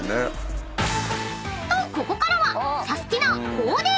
［とここからは］